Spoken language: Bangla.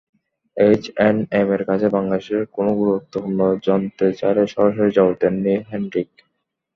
এইচ অ্যান্ড এমের কাছে বাংলাদেশ কেন গুরুত্বপূর্ণ জানতে চাইলে সরাসরি জবাব দেননি হেনরিক।